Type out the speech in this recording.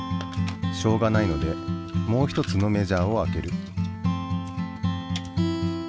しょうがないのでもう一つのメジャーを開ける。